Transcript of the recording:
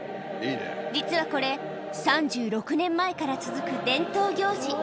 実はこれ、３６年前から続く伝統行事。